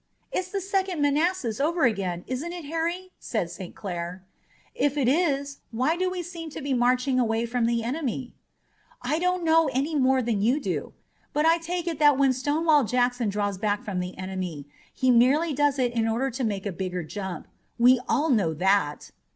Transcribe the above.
"It's the Second Manassas over again, isn't it, Harry?" said St. Clair. "If it is, why do we seem to be marching away from the enemy?" "I don't know any more than you do. But I take it that when Stonewall Jackson draws back from the enemy he merely does it in order to make a bigger jump. We all know that."